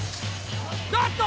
あっと！